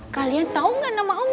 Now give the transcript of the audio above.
kalian tau gak nama oma